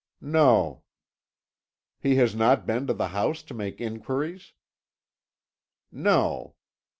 "No." "He has not been to the house to make inquiries?" "No."